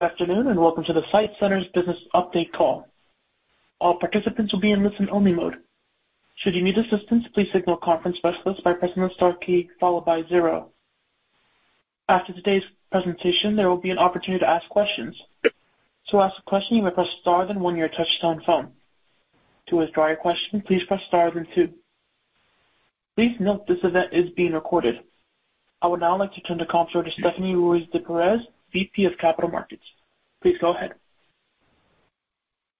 Good afternoon, and welcome to the SITE Centers Business Update Call. All participants will be in listen-only mode. Should you need assistance, please signal a conference specialist by pressing the star key followed by 0. After today's presentation, there will be an opportunity to ask questions. To ask a question, you may press Star, then 1 on your touchtone phone. To withdraw your question, please press Star then 2. Please note this event is being recorded. I would now like to turn the call over to Stephanie Ruys de Perez, VP of Capital Markets. Please go ahead.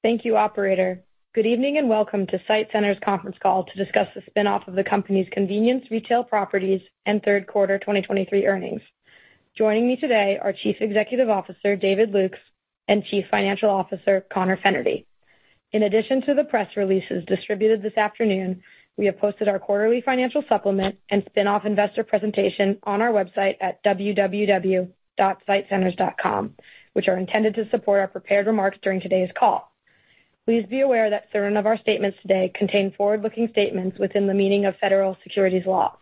Thank you, operator. Good evening, and welcome to SITE Centers conference call to discuss the spin-off of the company's convenience retail properties and Q3 2023 earnings. Joining me today are Chief Executive Officer, David Lukes, and Chief Financial Officer, Conor Fennerty. In addition to the press releases distributed this afternoon, we have posted our quarterly financial supplement and spin-off Investor presentation on our website at www.sitecenters.com, which are intended to support our prepared remarks during today's call. Please be aware that certain of our statements today contain forward-looking statements within the meaning of federal securities laws.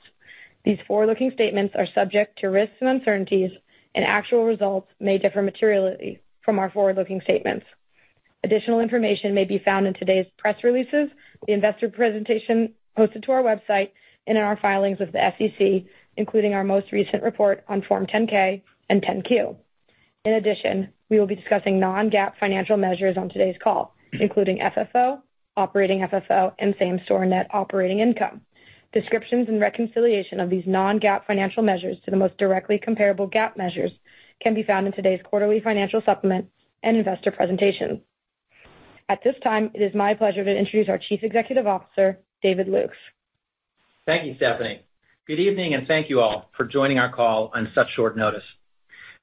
These forward-looking statements are subject to risks and uncertainties, and actual results may differ materially from our forward-looking statements. Additional information may be found in today's press releases, the Investor presentation posted to our website, and in our filings with the SEC, including our most recent report on Form 10-K and 10-Q. In addition, we will be discussing non-GAAP financial measures on today's call, including FFO, operating FFO, and same-store net operating income. Descriptions and reconciliation of these non-GAAP financial measures to the most directly comparable GAAP measures can be found in today's quarterly financial supplement and Investor presentation. At this time, it is my pleasure to introduce our Chief Executive Officer, David Lukes. Thank you, Stephanie. Good evening, and thank you all for joining our call on such short notice.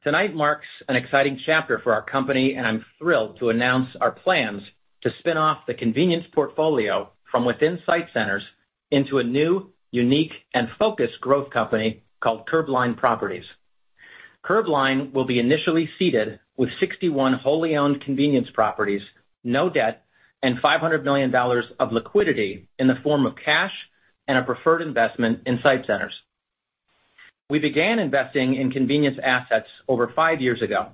Tonight marks an exciting chapter for our company, and I'm thrilled to announce our plans to spin off the convenience portfolio from within SITE Centers into a new, unique, and focused growth company called Curbline Properties. Curbline will be initially seeded with 61 wholly owned convenience properties, no debt, and $500 million of liquidity in the form of cash and a preferred investment in SITE Centers. We began investing in convenience assets over five years ago,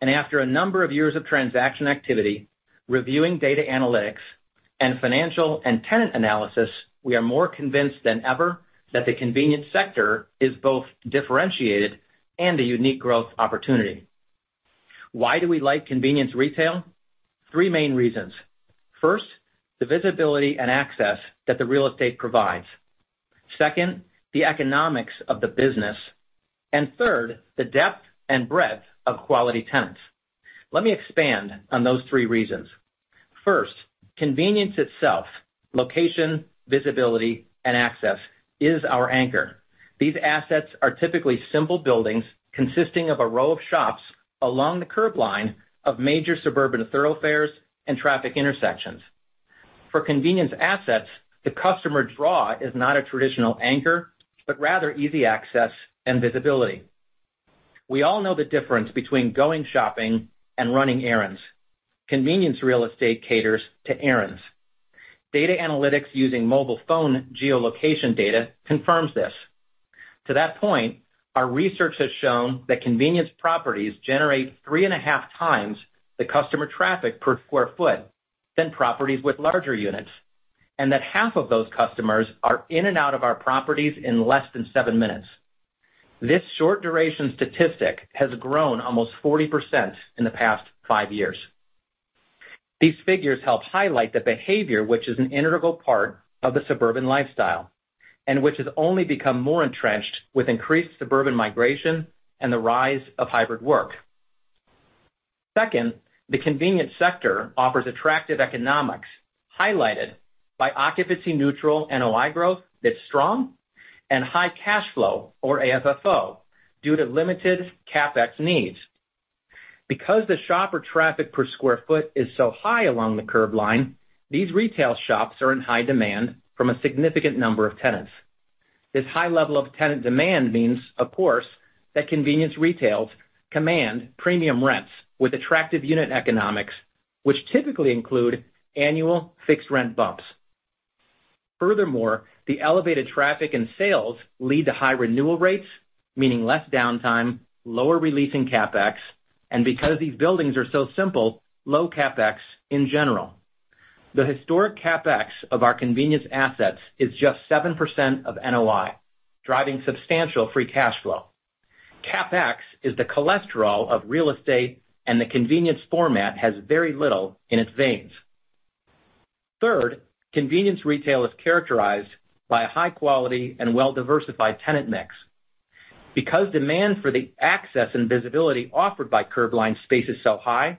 and after a number of years of transaction activity, reviewing data analytics, and financial and tenant analysis, we are more convinced than ever that the convenience sector is both differentiated and a unique growth opportunity. Why do we like convenience retail? Three main reasons. First, the visibility and access that the real estate provides. Second, the economics of the business. And third, the depth and breadth of quality tenants. Let me expand on those three reasons. First, convenience itself, location, visibility, and access is our anchor. These assets are typically simple buildings consisting of a row of shops along the curb line of major suburban thoroughfares and traffic intersections. For convenience assets, the customer draw is not a traditional anchor, but rather easy access and visibility. We all know the difference between going shopping and running errands. Convenience real estate caters to errands. Data analytics using mobile phone geolocation data confirms this. To that point, our research has shown that convenience properties generate 3.5x the customer traffic per sq ft than properties with larger units, and that half of those customers are in and out of our properties in less than 7 minutes. This short duration statistic has grown almost 40% in the past 5 years. These figures help highlight the behavior, which is an integral part of the suburban lifestyle, and which has only become more entrenched with increased suburban migration and the rise of hybrid work. Second, the convenience sector offers attractive economics, highlighted by occupancy neutral NOI growth that's strong and high cash flow, or AFFO, due to limited CapEx needs. Because the shopper traffic per sq ft is so high along the curb line, these retail shops are in high demand from a significant number of tenants. This high level of tenant demand means, of course, that convenience retail commands premium rents with attractive unit economics, which typically include annual fixed rent bumps. Furthermore, the elevated traffic and sales lead to high renewal rates, meaning less downtime, lower leasing CapEx, and because these buildings are so simple, low CapEx in general. The historic CapEx of our convenience assets is just 7% of NOI, driving substantial free cash flow. CapEx is the cholesterol of real estate, and the convenience format has very little in its veins. Third, convenience retail is characterized by a high quality and well-diversified tenant mix. Because demand for the access and visibility offered by Curbline space is so high,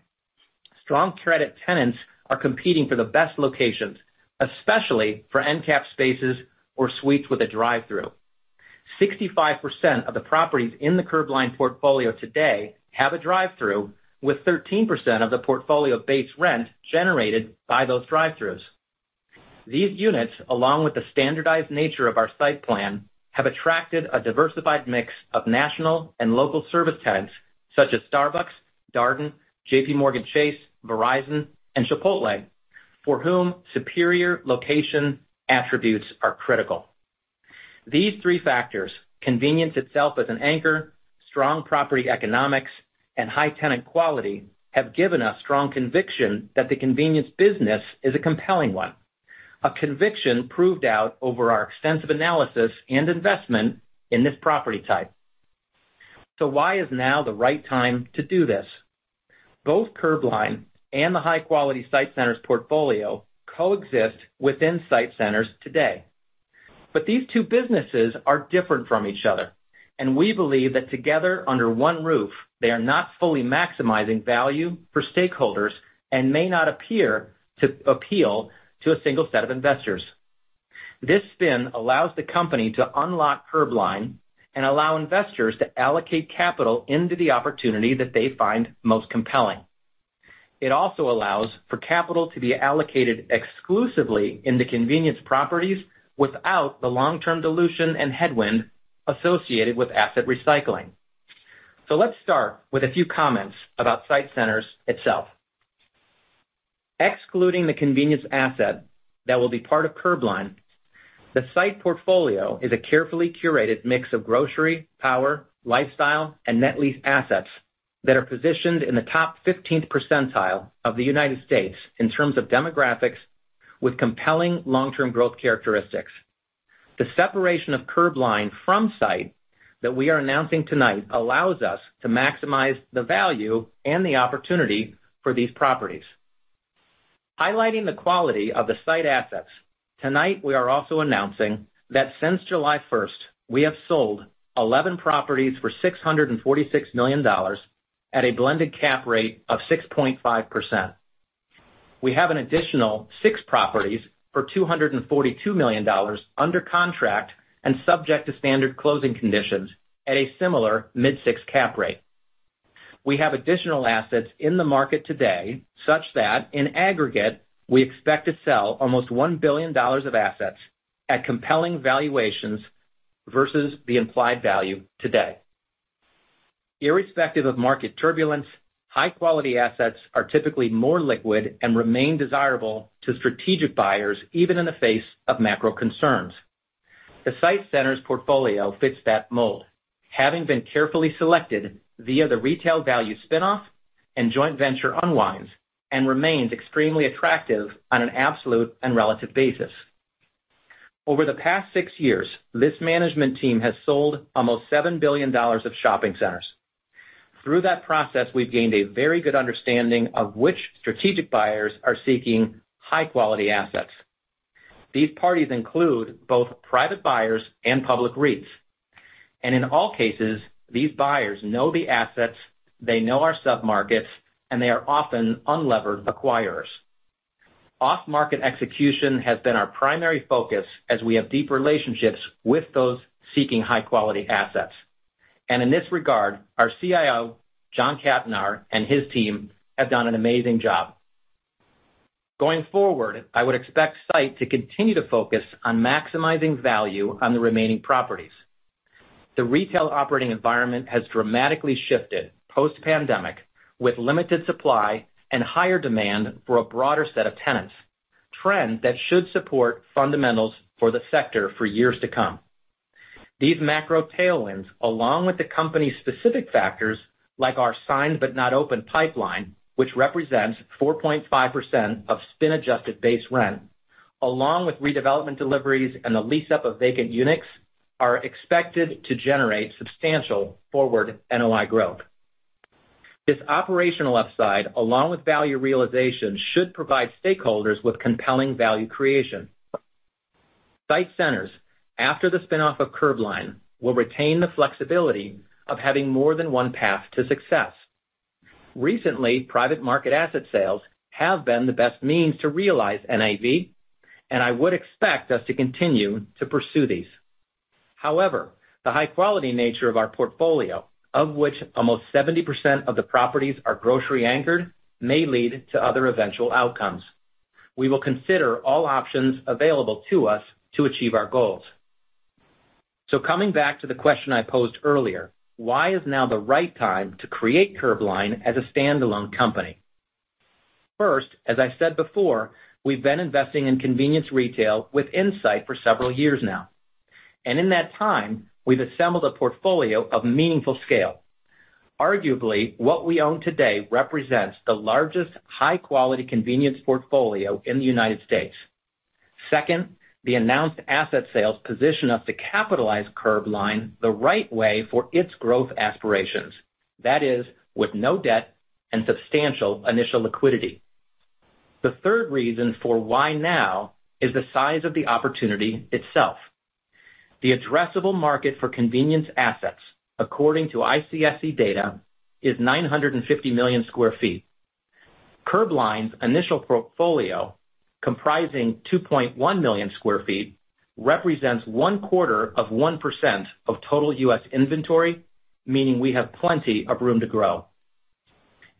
strong credit tenants are competing for the best locations, especially for end-cap spaces or suites with a drive-through. 65% of the properties in the Curbline portfolio today have a drive-through, with 13% of the portfolio base rent generated by those drive-throughs. These units, along with the standardized nature of our site plan, have attracted a diversified mix of national and local service tenants such as Starbucks, Darden, JPMorgan Chase, Verizon, and Chipotle, for whom superior location attributes are critical. These three factors, convenience itself as an anchor, strong property economics, and high tenant quality, have given us strong conviction that the convenience business is a compelling one. A conviction proved out over our extensive analysis and investment in this property type. So why is now the right time to do this? Both Curbline and the high-quality SITE Centers portfolio coexist within SITE Centers today. But these two businesses are different from each other, and we believe that together under one roof, they are not fully maximizing value for stakeholders and may not appear to appeal to a single set of investors. This spin allows the company to unlock Curbline and allow investors to allocate capital into the opportunity that they find most compelling. It also allows for capital to be allocated exclusively in the convenience properties without the long-term dilution and headwind associated with asset recycling. So let's start with a few comments about SITE Centers itself. Excluding the convenience asset that will be part of Curbline, the SITE portfolio is a carefully curated mix of grocery, power, lifestyle, and net lease assets that are positioned in the top fifteenth percentile of the United States in terms of demographics, with compelling long-term growth characteristics. The separation of Curbline from SITE that we are announcing tonight allows us to maximize the value and the opportunity for these properties. Highlighting the quality of the SITE assets, tonight, we are also announcing that since July first, we have sold 11 properties for $646 million at a blended cap rate of 6.5%. We have an additional 6 properties for $242 million under contract and subject to standard closing conditions at a similar mid-6% cap rate. We have additional assets in the market today, such that in aggregate, we expect to sell almost $1 billion of assets at compelling valuations versus the implied value today. Irrespective of market turbulence, high-quality assets are typically more liquid and remain desirable to strategic buyers, even in the face of macro concerns. The SITE Centers portfolio fits that mold, having been carefully selected via the Retail Value spin-off and joint venture unwinds, and remains extremely attractive on an absolute and relative basis. Over the past six years, this management team has sold almost $7 billion of shopping centers. Through that process, we've gained a very good understanding of which strategic buyers are seeking high-quality assets. These parties include both private buyers and public REITs, and in all cases, these buyers know the assets, they know our submarkets, and they are often unlevered acquirers. Off-market execution has been our primary focus as we have deep relationships with those seeking high-quality assets. In this regard, our Chief Investment Officer, John Cattonar, and his team have done an amazing job. Going forward, I would expect SITE to continue to focus on maximizing value on the remaining properties. The retail operating environment has dramatically shifted post-pandemic, with limited supply and higher demand for a broader set of tenants, trends that should support fundamentals for the sector for years to come. These macro tailwinds, along with the company's specific factors, like our signed but not open pipeline, which represents 4.5% of spin-adjusted base rent, along with redevelopment deliveries and the lease-up of vacant units, are expected to generate substantial forward NOI growth. This operational upside, along with value realization, should provide stakeholders with compelling value creation. SITE Centers, after the spin-off of Curbline, will retain the flexibility of having more than one path to success. Recently, private market asset sales have been the best means to realize NAV, and I would expect us to continue to pursue these. However, the high-quality nature of our portfolio, of which almost 70% of the properties are grocery anchored, may lead to other eventual outcomes. We will consider all options available to us to achieve our goals. So coming back to the question I posed earlier, why is now the right time to create Curbline as a standalone company? First, as I said before, we've been investing in convenience retail within SITE for several years now, and in that time, we've assembled a portfolio of meaningful scale. Arguably, what we own today represents the largest high-quality convenience portfolio in the United States. Second, the announced asset sales position us to capitalize Curbline the right way for its growth aspirations. That is, with no debt and substantial initial liquidity. The third reason for why now is the size of the opportunity itself. The addressable market for convenience assets, according to ICSC data, is 950 million sq ft. Curbline's initial portfolio, comprising 2.1 million sq ft, represents 0.25% of total U.S. inventory, meaning we have plenty of room to grow.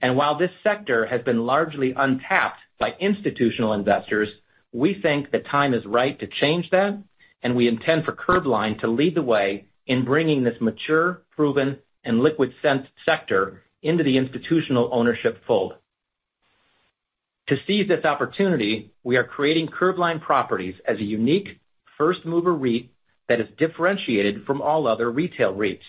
While this sector has been largely untapped by institutional investors, we think the time is right to change that, and we intend for Curbline to lead the way in bringing this mature, proven, and liquid asset sector into the institutional ownership fold.... To seize this opportunity, we are creating Curbline Properties as a unique first-mover REIT that is differentiated from all other retail REITs,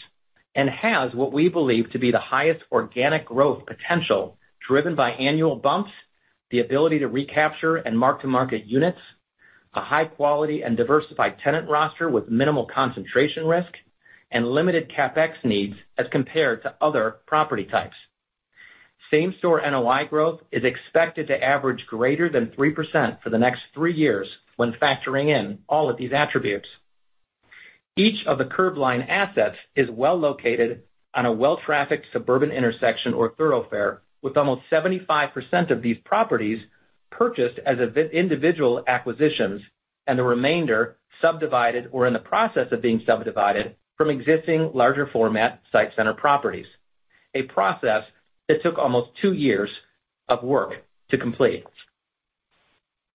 and has what we believe to be the highest organic growth potential, driven by annual bumps, the ability to recapture and mark-to-market units, a high quality and diversified tenant roster with minimal concentration risk, and limited CapEx needs as compared to other property types. Same-store NOI growth is expected to average greater than 3% for the next three years when factoring in all of these attributes. Each of the Curbline assets is well located on a well-trafficked suburban intersection or thoroughfare, with almost 75% of these properties purchased as individual acquisitions, and the remainder subdivided or in the process of being subdivided from existing larger format SITE Centers properties, a process that took almost two years of work to complete.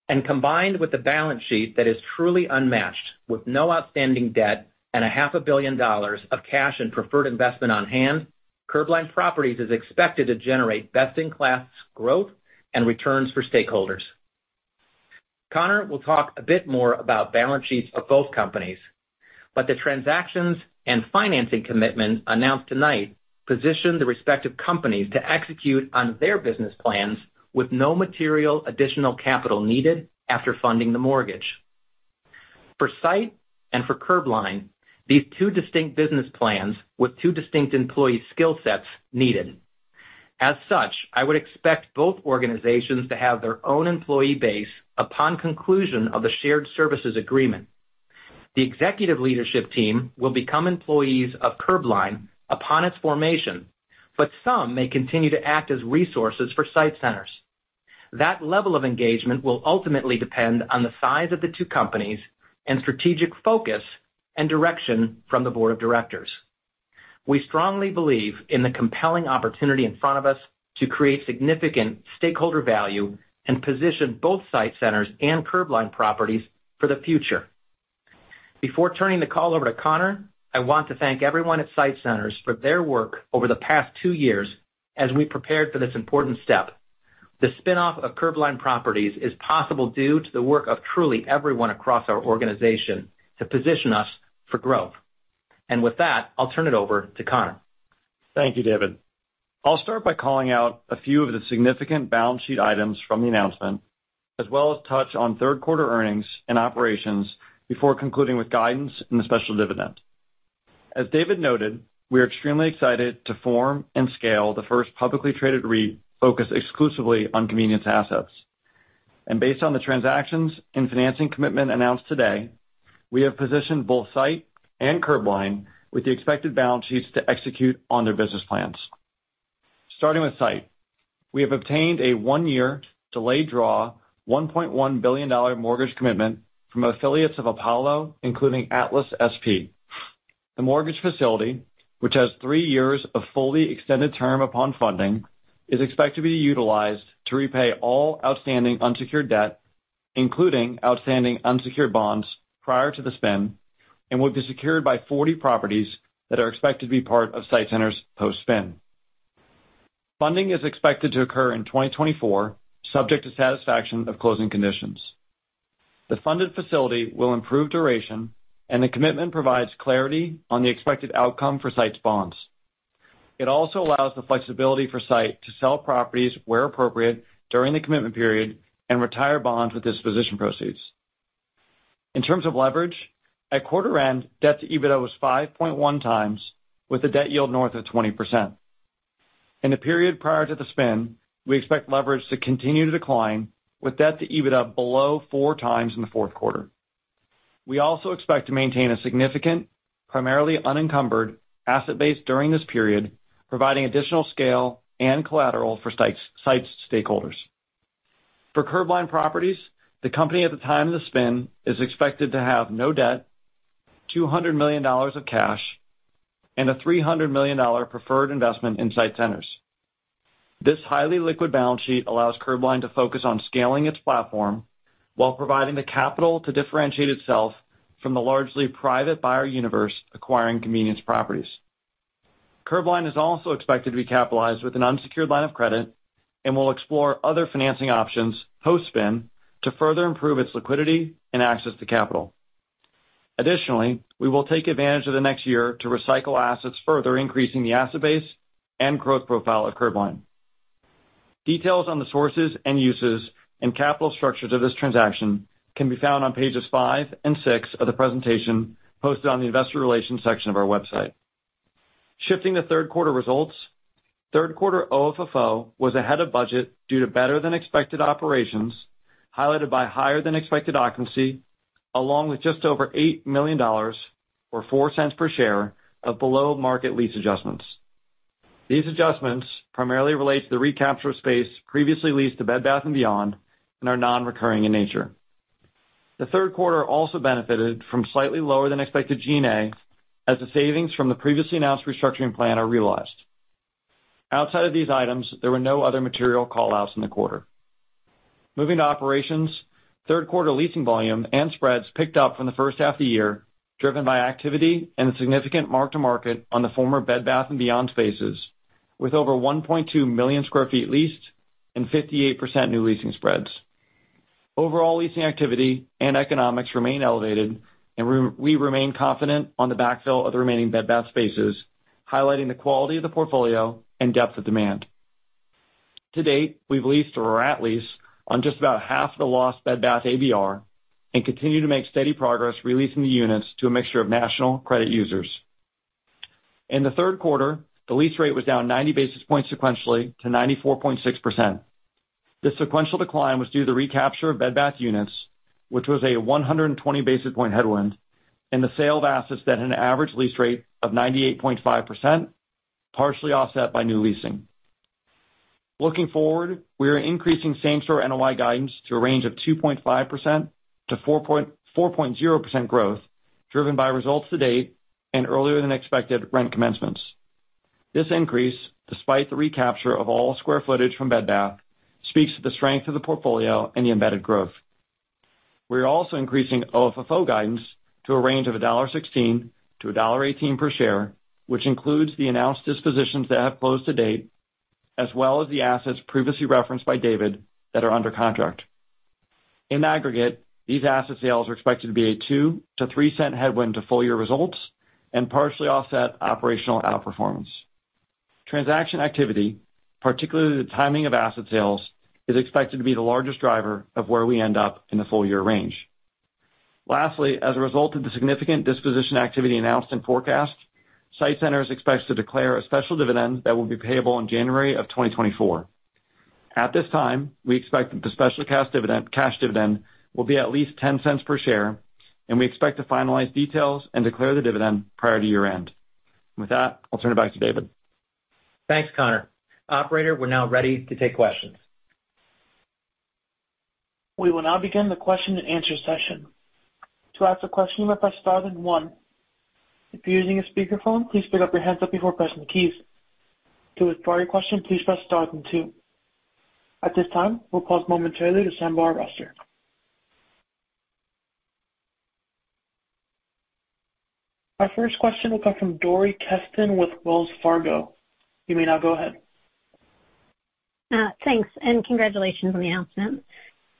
And combined with the balance sheet that is truly unmatched, with no outstanding debt and $500 million of cash and preferred investment on hand, Curbline Properties is expected to generate best-in-class growth and returns for stakeholders. Conor will talk a bit more about balance sheets of both companies, but the transactions and financing commitment announced tonight position the respective companies to execute on their business plans with no material additional capital needed after funding the mortgage. For SITE and for Curbline, these two distinct business plans with two distinct employee skill sets needed. As such, I would expect both organizations to have their own employee base upon conclusion of the shared services agreement. The executive leadership team will become employees of Curbline upon its formation, but some may continue to act as resources for SITE Centers. That level of engagement will ultimately depend on the size of the two companies and strategic focus and direction from the board of directors. We strongly believe in the compelling opportunity in front of us to create significant stakeholder value and position both SITE Centers and Curbline Properties for the future. Before turning the call over to Conor, I want to thank everyone at SITE Centers for their work over the past two years as we prepared for this important step. The spinoff of Curbline Properties is possible due to the work of truly everyone across our organization to position us for growth. With that, I'll turn it over to Conor. Thank you, David. I'll start by calling out a few of the significant balance sheet items from the announcement, as well as touch on Q3 earnings and operations before concluding with guidance and the special dividend. As David noted, we are extremely excited to form and scale the first publicly traded REIT focused exclusively on convenience assets. And based on the transactions and financing commitment announced today, we have positioned both SITE and Curbline with the expected balance sheets to execute on their business plans. Starting with SITE, we have obtained a one-year delayed draw, $1.1 billion mortgage commitment from affiliates of Apollo, including Atlas SP. The mortgage facility, which has 3 years of fully extended term upon funding, is expected to be utilized to repay all outstanding unsecured debt, including outstanding unsecured bonds, prior to the spin, and will be secured by 40 properties that are expected to be part of SITE Centers post-spin. Funding is expected to occur in 2024, subject to satisfaction of closing conditions. The funded facility will improve duration, and the commitment provides clarity on the expected outcome for SITE's bonds. It also allows the flexibility for SITE to sell properties where appropriate during the commitment period and retire bonds with disposition proceeds. In terms of leverage, at quarter end, debt to EBITDA was 5.1x, with a debt yield north of 20%. In the period prior to the spin, we expect leverage to continue to decline, with debt to EBITDA below 4x in the Q4. We also expect to maintain a significant, primarily unencumbered asset base during this period, providing additional scale and collateral for SITE's stakeholders. For Curbline Properties, the company at the time of the spin is expected to have no debt, $200 million of cash, and a $300 million preferred investment in SITE Centers. This highly liquid balance sheet allows Curbline to focus on scaling its platform while providing the capital to differentiate itself from the largely private buyer universe acquiring convenience properties. Curbline is also expected to be capitalized with an unsecured line of credit and will explore other financing options post-spin to further improve its liquidity and access to capital. Additionally, we will take advantage of the next year to recycle assets, further increasing the asset base and growth profile of Curbline. Details on the sources and uses and capital structure to this transaction can be found on pages 5 and 6 of the presentation posted on the Investor Relations section of our website. Shifting to Q3 results, Q3 OFFO was ahead of budget due to better-than-expected operations, highlighted by higher-than-expected occupancy, along with just over $8 million or $0.04 per share of below-market lease adjustments. These adjustments primarily relate to the recapture of space previously leased to Bed Bath & Beyond and are non-recurring in nature. The Q3 also benefited from slightly lower than expected G&A, as the savings from the previously announced restructuring plan are realized. Outside of these items, there were no other material call-outs in the quarter. Moving to operations. Q3 leasing volume and spreads picked up from the first half of the year, driven by activity and a significant mark-to-market on the former Bed Bath & Beyond spaces, with over 1.2 million sq ft leased and 58% new leasing spreads. Overall, leasing activity and economics remain elevated, and we remain confident on the backfill of the remaining Bed Bath spaces, highlighting the quality of the portfolio and depth of demand. To date, we've leased or are at lease on just about half the lost Bed Bath ABR and continue to make steady progress re-leasing the units to a mixture of national credit users. In the Q3, the lease rate was down 90 basis points sequentially to 94.6%. This sequential decline was due to the recapture of Bed Bath units, which was a 100 basis point headwind, and the sale of assets at an average lease rate of 98.5%, partially offset by new leasing. Looking forward, we are increasing same-store NOI guidance to a range of 2.5%-4.0% growth, driven by results to date and earlier than expected rent commencements. This increase, despite the recapture of all square footage from Bed Bath, speaks to the strength of the portfolio and the embedded growth. We are also increasing OFFO guidance to a range of $1.16-$1.18 per share, which includes the announced dispositions that have closed to date, as well as the assets previously referenced by David that are under contract. In aggregate, these asset sales are expected to be a $0.02-$0.03 headwind to full year results and partially offset operational outperformance. Transaction activity, particularly the timing of asset sales, is expected to be the largest driver of where we end up in the full year range. Lastly, as a result of the significant disposition activity announced in forecast, SITE Centers is expected to declare a special cash dividend that will be payable in January 2024. At this time, we expect that the special cash dividend will be at least $0.10 per share, and we expect to finalize details and declare the dividend prior to year-end. With that, I'll turn it back to David. Thanks, Conor. Operator, we're now ready to take questions. We will now begin the question and answer session. To ask a question, press Star then 1. If you're using a speakerphone, please pick up your headset before pressing the keys. To withdraw your question, please press Star then 2. At this time, we'll pause momentarily to assemble our roster. Our first question will come from Dori Kesten with Wells Fargo. You may now go ahead. Thanks, and congratulations on the announcement.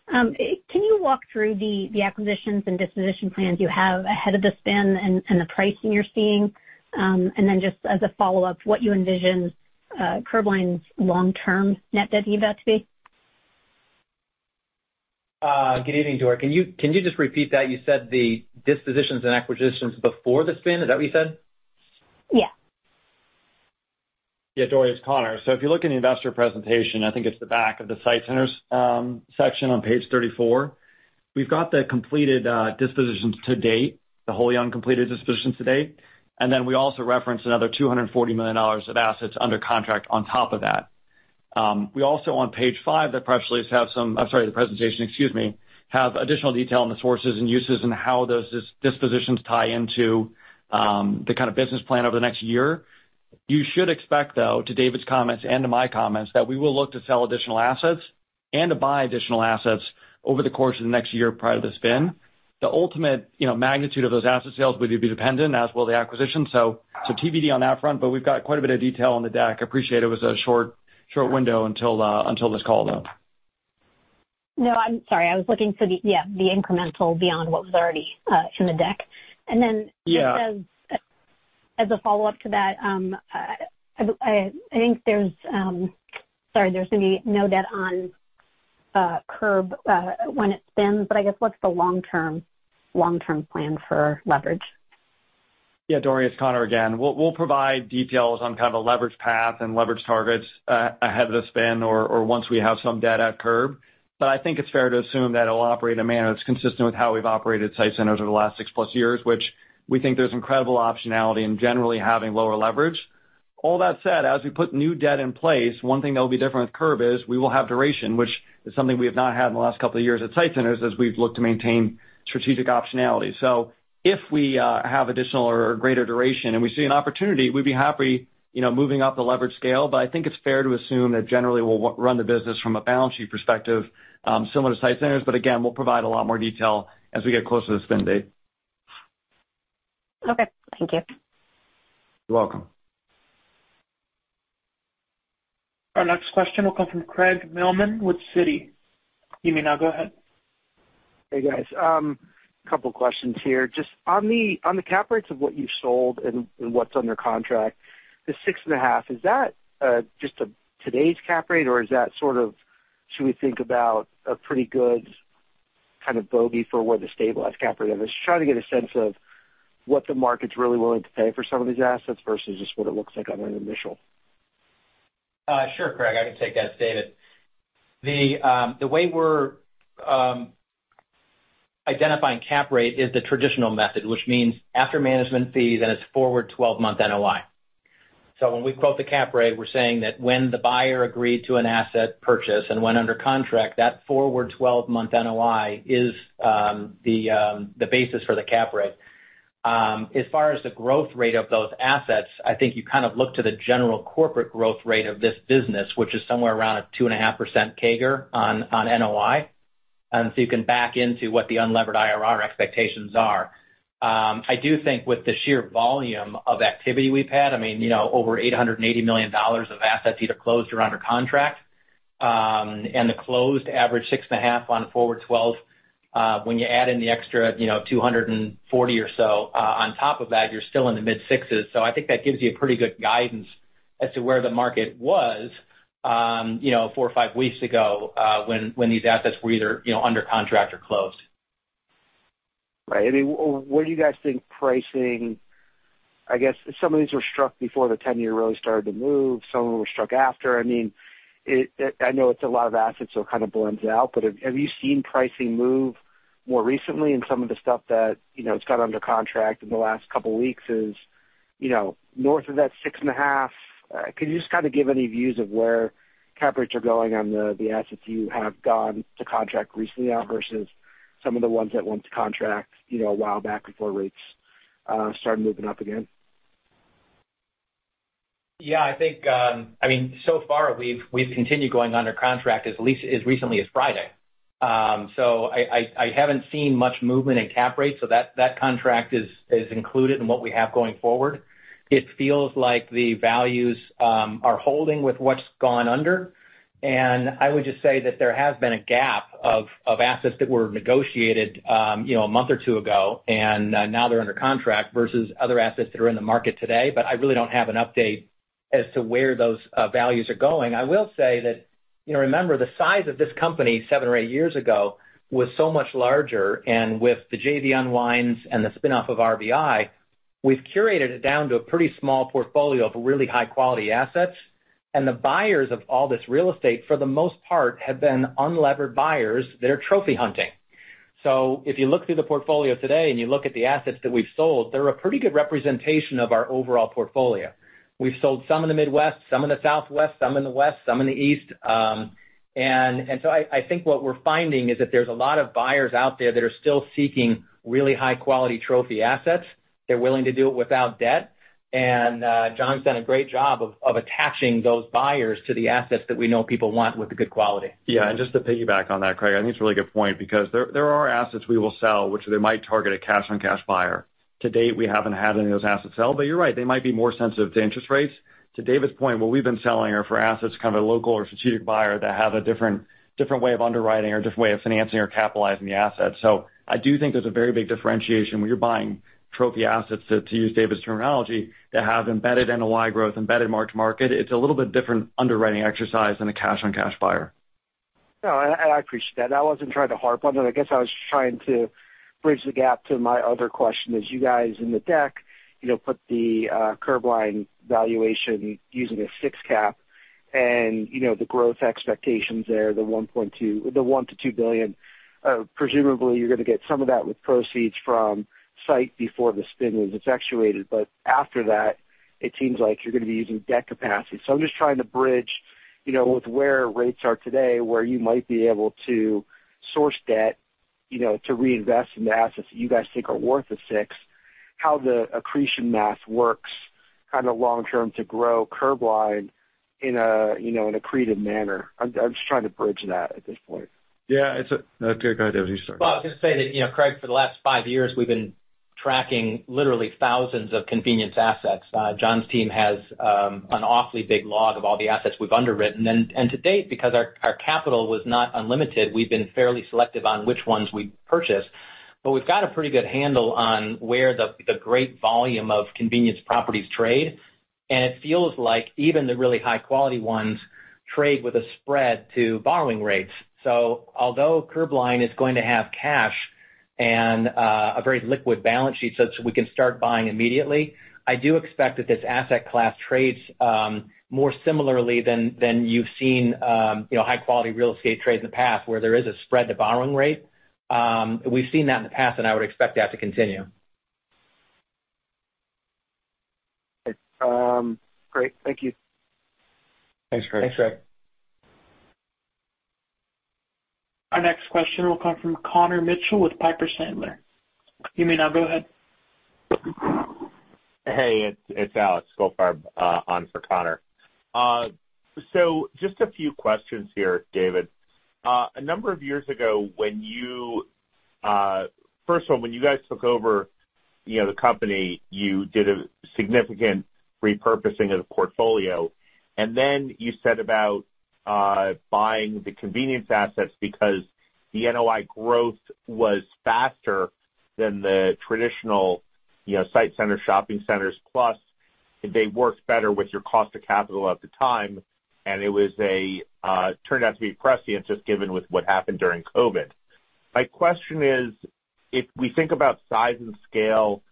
Can you walk through the acquisitions and disposition plans you have ahead of the spin and the pricing you're seeing? And then just as a follow-up, what you envision Curbline's long-term net debt yield to be? Good evening, Dori. Can you, can you just repeat that? You said the dispositions and acquisitions before the spin, is that what you said? Yeah. Yeah, Dori, it's Conor. So if you look in the Investor presentation, I think it's the back of the SITE Centers section on page 34. We've got the completed dispositions to date, the wholly uncompleted dispositions to date, and then we also reference another $240 million of assets under contract on top of that. We also, on page 5, the press release, have some. I'm sorry, the presentation, excuse me, have additional detail on the sources and uses and how those dispositions tie into the kind of business plan over the next year. You should expect, though, to David's comments and to my comments, that we will look to sell additional assets and to buy additional assets over the course of the next year prior to the spin. The ultimate, you know, magnitude of those asset sales would be dependent, as will the acquisition. So, so TBD on that front, but we've got quite a bit of detail on the deck. I appreciate it was a short, short window until until this call, though. No, I'm sorry. I was looking for the, yeah, the incremental beyond what was already, in the deck. And then- Yeah. As a follow-up to that, I think there's, sorry, there's going to be no debt on Curb when it spins, but I guess what's the long-term plan for leverage? Yeah, Dori, it's Conor again. We'll, we'll provide details on kind of a leverage path and leverage targets ahead of the spin or once we have some data at Curb. But I think it's fair to assume that it'll operate in a manner that's consistent with how we've operated SITE Centers over the last 6+ years, which we think there's incredible optionality in generally having lower leverage. All that said, as we put new debt in place, one thing that will be different with Curb is we will have duration, which is something we have not had in the last couple of years at SITE Centers, as we've looked to maintain strategic optionality. So if we have additional or greater duration and we see an opportunity, we'd be happy, you know, moving up the leverage scale. But I think it's fair to assume that generally we'll run the business from a balance sheet perspective, similar to SITE Centers. But again, we'll provide a lot more detail as we get closer to the spin date. Okay. Thank you. You're welcome. Our next question will come from Craig Mailman with Citi. You may now go ahead. Hey, guys. A couple questions here. Just on the, on the cap rates of what you've sold and, and what's under contract, the 6.5, is that just today's cap rate, or is that sort of should we think about a pretty good kind of bogey for where the stabilized cap rate is? Just trying to get a sense of what the market's really willing to pay for some of these assets versus just what it looks like on an initial. Sure, Craig, I can take that. It's David. The way we're identifying cap rate is the traditional method, which means after management fees and its forward twelve-month NOI. So when we quote the cap rate, we're saying that when the buyer agreed to an asset purchase and went under contract, that forward twelve-month NOI is the basis for the cap rate. As far as the growth rate of those assets, I think you kind of look to the general corporate growth rate of this business, which is somewhere around a 2.5% CAGR on NOI. And so you can back into what the unlevered IRR expectations are. I do think with the sheer volume of activity we've had, I mean, you know, over $880 million of assets either closed or under contract, and the closed average 6.5 on forward 12, when you add in the extra, you know, 240 or so, on top of that, you're still in the mid-sixes. So I think that gives you a pretty good guidance as to where the market was, you know, 4 or 5 weeks ago, when these assets were either, you know, under contract or closed. Right. I mean, what do you guys think pricing, I guess, some of these were struck before the 10-year rose started to move, some of them were struck after. I mean, it, I know it's a lot of assets, so it kind of blends out, but have you seen pricing move more recently in some of the stuff that, you know, it's got under contract in the last couple of weeks is, you know, north of that 6.5? Can you just kind of give any views of where cap rates are going on the assets you have gone to contract recently on, versus some of the ones that went to contract, you know, a while back before rates started moving up again? Yeah, I think, I mean, so far, we've continued going under contract at least as recently as Friday. So I haven't seen much movement in cap rates, so that contract is included in what we have going forward. It feels like the values are holding with what's gone under. And I would just say that there has been a gap of assets that were negotiated, you know, a month or two ago, and now they're under contract versus other assets that are in the market today. But I really don't have an update as to where those values are going. I will say that, you know, remember, the size of this company seven or eight years ago was so much larger, and with the JV unwinds and the spin-off of RVI, we've curated it down to a pretty small portfolio of really high-quality assets. And the buyers of all this real estate, for the most part, have been unlevered buyers that are trophy hunting. So if you look through the portfolio today and you look at the assets that we've sold, they're a pretty good representation of our overall portfolio. We've sold some in the Midwest, some in the Southwest, some in the West, some in the East. And so I think what we're finding is that there's a lot of buyers out there that are still seeking really high-quality trophy assets. They're willing to do it without debt, and John's done a great job of attaching those buyers to the assets that we know people want with the good quality. Yeah, and just to piggyback on that, Craig, I think it's a really good point because there, there are assets we will sell, which they might target a cash-on-cash buyer. To date, we haven't had any of those assets sell, but you're right, they might be more sensitive to interest rates. To David's point, what we've been selling are our assets, kind of, to a local or strategic buyer that have a different, different way of underwriting or different way of financing or capitalizing the assets. So I do think there's a very big differentiation when you're buying trophy assets, to, to use David's terminology, that have embedded NOI growth, embedded mark-to-market. It's a little bit different underwriting exercise than a cash-on-cash buyer. No, and I appreciate that. I wasn't trying to harp on it. I guess I was just trying to bridge the gap to my other question. As you guys in the deck, you know, put the Curbline valuation using a 6 cap, and, you know, the growth expectations there, the $1.2, the $1 billion-$2 billion. Presumably, you're gonna get some of that with proceeds from SITE before the spin was effectuated, but after that, it seems like you're gonna be using debt capacity. So I'm just trying to bridge, you know, with where rates are today, where you might be able to source debt, you know, to reinvest in the assets that you guys think are worth a 6, how the accretion math works kind of long term to grow Curbline in a, you know, in accretive manner. I'm just trying to bridge that at this point. Yeah, go ahead, David. You start. Well, I'll just say that, you know, Craig, for the last five years, we've been tracking literally thousands of convenience assets. John's team has an awfully big log of all the assets we've underwritten. And to date, because our capital was not unlimited, we've been fairly selective on which ones we purchased. But we've got a pretty good handle on where the great volume of convenience properties trade, and it feels like even the really high-quality ones trade with a spread to borrowing rates. So although Curbline is going to have cash and a very liquid balance sheet, so we can start buying immediately, I do expect that this asset class trades more similarly than you've seen, you know, high-quality real estate trade in the past, where there is a spread to borrowing rate. We've seen that in the past, and I would expect that to continue. Great. Thank you. Thanks, Craig. Thanks, Craig. Our next question will come from Connor Mitchell with Piper Sandler. You may now go ahead. Hey, it's, it's Alex Goldfarb on for Connor. So just a few questions here, David. A number of years ago, when you. First of all, when you guys took over, you know, the company, you did a significant repurposing of the portfolio, and then you set about buying the convenience assets because the NOI growth was faster than the traditional, you know, SITE center, shopping centers, plus they worked better with your cost of capital at the time. And it was a turned out to be prescient, just given with what happened during COVID. My question is: If we think about size and scale,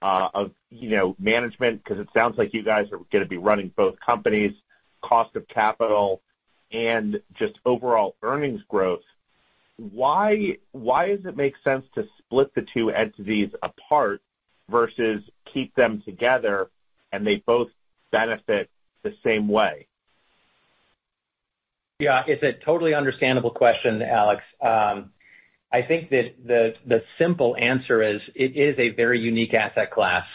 of, you know, management, because it sounds like you guys are gonna be running both companies, cost of capital, and just overall earnings growth, why, why does it make sense to split the two entities apart versus keep them together, and they both benefit the same way? Yeah, it's a totally understandable question, Alex. I think that the simple answer is, it is a very unique asset class.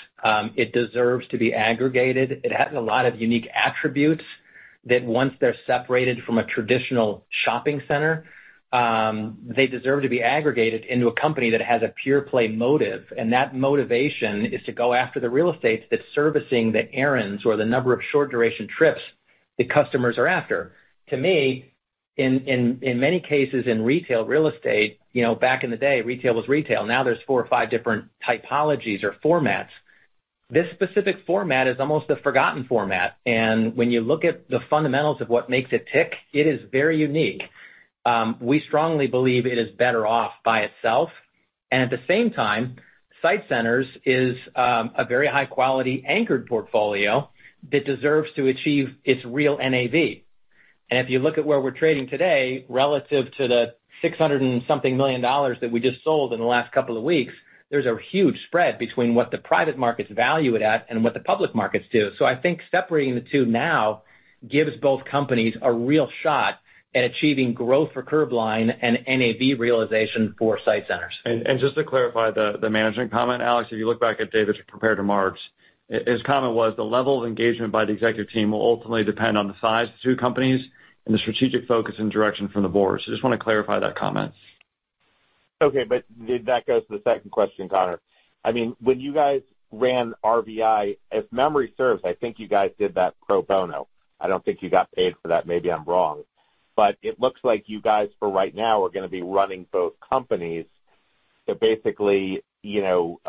It deserves to be aggregated. It has a lot of unique attributes that once they're separated from a traditional shopping center, they deserve to be aggregated into a company that has a pure play motive, and that motivation is to go after the real estate that's servicing the errands or the number of short-duration trips the customers are after. To me, in many cases, in retail, real estate, you know, back in the day, retail was retail. Now there's four or five different typologies or formats. This specific format is almost a forgotten format, and when you look at the fundamentals of what makes it tick, it is very unique. We strongly believe it is better off by itself. At the same time, SITE Centers is a very high-quality anchored portfolio that deserves to achieve its real NAV. And if you look at where we're trading today, relative to the $600-something million that we just sold in the last couple of weeks, there's a huge spread between what the private markets value it at and what the public markets do. So I think separating the two now gives both companies a real shot at achieving growth for Curbline and NAV realization for SITE Centers. And just to clarify the management comment, Alex, if you look back at David's prepared remarks, his comment was, the level of engagement by the executive team will ultimately depend on the size of the two companies and the strategic focus and direction from the board. So I just want to clarify that comment. Okay, but that goes to the second question, Conor. I mean, when you guys ran RVI, if memory serves, I think you guys did that pro bono. I don't think you got paid for that. Maybe I'm wrong. But it looks like you guys, for right now, are gonna be running both companies. So basically, you know,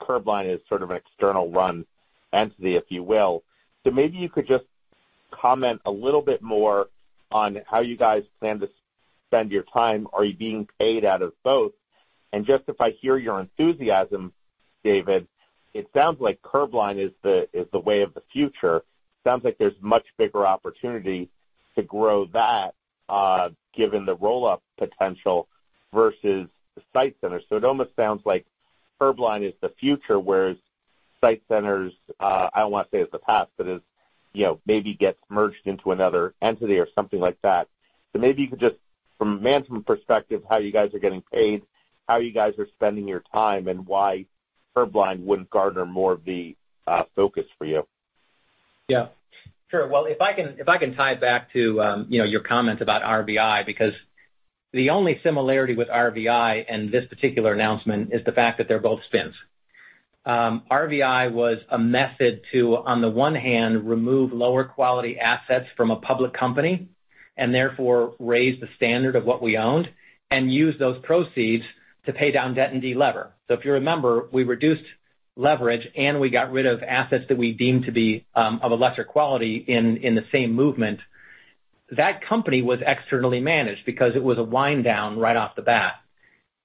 Curbline is sort of an external run entity, if you will. So maybe you could just comment a little bit more on how you guys plan to spend your time. Are you being paid out of both? And just if I hear your enthusiasm, David, it sounds like Curbline is the, is the way of the future. Sounds like there's much bigger opportunity to grow that, given the roll-up potential versus the SITE Centers. So it almost sounds like Curbline is the future, whereas SITE Centers, I don't want to say is the past, but is, you know, maybe gets merged into another entity or something like that. So maybe you could just, from a management perspective, how you guys are getting paid, how you guys are spending your time, and why Curbline wouldn't garner more of the focus for you? Yeah, sure. Well, if I can, if I can tie it back to, you know, your comment about RVI, because the only similarity with RVI and this particular announcement is the fact that they're both spins. RVI was a method to, on the one hand, remove lower quality assets from a public company, and therefore raise the standard of what we owned, and use those proceeds to pay down debt and delever. So if you remember, we reduced leverage, and we got rid of assets that we deemed to be, of a lesser quality in the same movement. That company was externally managed because it was a wind down right off the bat.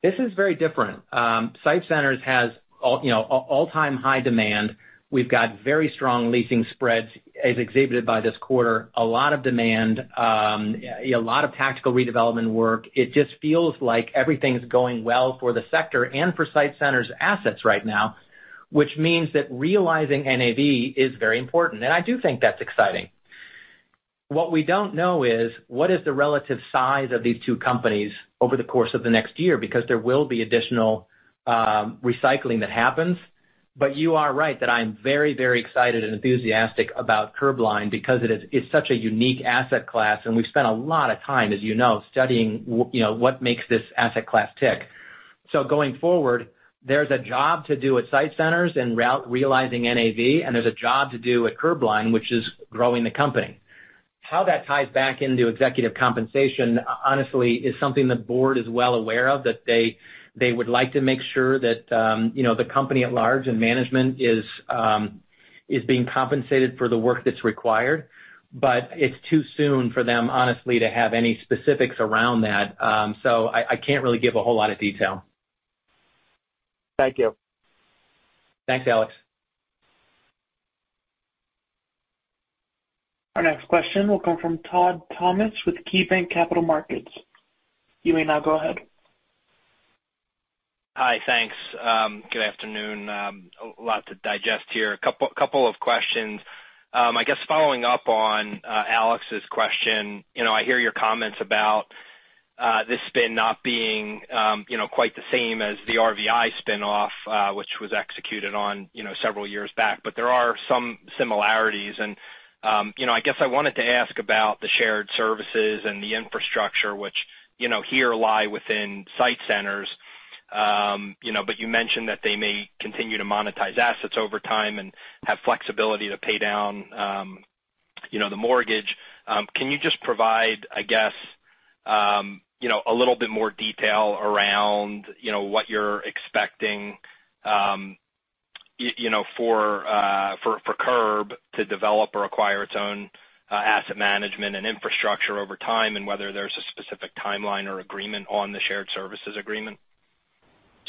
This is very different. SITE Centers has all, you know, all-time high demand. We've got very strong leasing spreads, as exhibited by this quarter, a lot of demand, a lot of tactical redevelopment work. It just feels like everything's going well for the sector and for SITE Centers' assets right now, which means that realizing NAV is very important, and I do think that's exciting. What we don't know is, what is the relative size of these two companies over the course of the next year? Because there will be additional, recycling that happens. But you are right that I'm very, very excited and enthusiastic about Curbline because it is-- it's such a unique asset class, and we've spent a lot of time, as you know, studying you know, what makes this asset class tick. Going forward, there's a job to do at SITE Centers en route to realizing NAV, and there's a job to do at Curbline, which is growing the company. How that ties back into executive compensation, honestly, is something the board is well aware of, that they would like to make sure that, you know, the company at large and management is being compensated for the work that's required, but it's too soon for them, honestly, to have any specifics around that. So I can't really give a whole lot of detail. Thank you. Thanks, Alex. Our next question will come from Todd Thomas with KeyBanc Capital Markets. You may now go ahead. Hi, thanks. Good afternoon. A lot to digest here. A couple of questions. I guess following up on Alex's question, you know, I hear your comments about this spin not being, you know, quite the same as the RVI spin-off, which was executed several years back, but there are some similarities. And you know, I guess I wanted to ask about the shared services and the infrastructure, which, you know, here lie within SITE Centers. You know, but you mentioned that they may continue to monetize assets over time and have flexibility to pay down the mortgage. Can you just provide, I guess, you know, a little bit more detail around, you know, what you're expecting, you know, for Curb to develop or acquire its own asset management and infrastructure over time, and whether there's a specific timeline or agreement on the shared services agreement? Sure.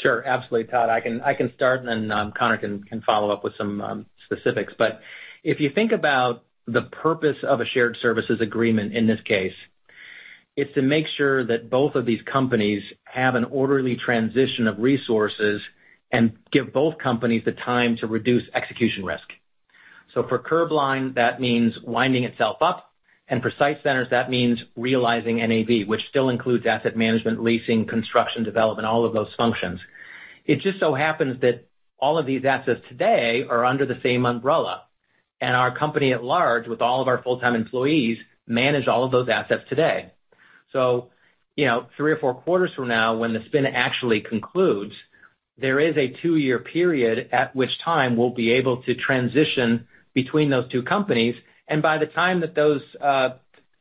Absolutely, Todd. I can, I can start, and then, Conor can, can follow up with some, specifics. But if you think about the purpose of a shared services agreement in this case, it's to make sure that both of these companies have an orderly transition of resources and give both companies the time to reduce execution risk. So for Curbline, that means winding itself up, and for SITE Centers, that means realizing NAV, which still includes asset management, leasing, construction, development, all of those functions. It just so happens that all of these assets today are under the same umbrella, and our company at large, with all of our full-time employees, manage all of those assets today. So, you know, 3 or 4 quarters from now, when the spin actually concludes, there is a two-year period at which time we'll be able to transition between those two companies. And by the time that those